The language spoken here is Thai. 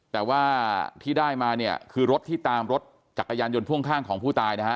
แต่ว่าที่ได้มาเนี่ยคือรถที่ตามรถจักรยานยนต์พ่วงข้างของผู้ตายนะฮะ